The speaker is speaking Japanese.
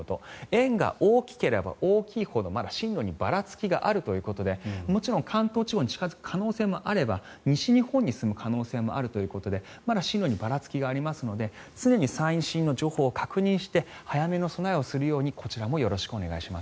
円が大きければ大きいほど進路にばらつきがあるということでもちろん関東地方に近付く可能性もあれば西日本に進む可能性もあるということでまだ進路にばらつきがありますので常に最新の情報を確認して早めの備えをするようにこちらもお願いします。